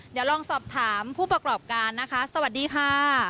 เดี๋ยวลองสอบถามผู้ประกอบการนะคะสวัสดีค่ะ